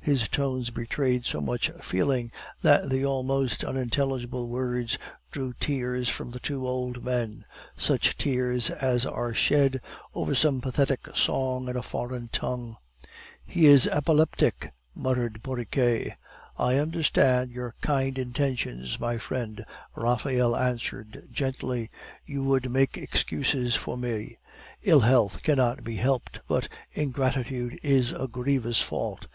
His tones betrayed so much feeling that the almost unintelligible words drew tears from the two old men, such tears as are shed over some pathetic song in a foreign tongue. "He is epileptic," muttered Porriquet. "I understand your kind intentions, my friend," Raphael answered gently. "You would make excuses for me. Ill health cannot be helped, but ingratitude is a grievous fault.